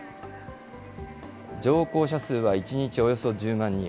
乗降者数は１日およそ１０万人。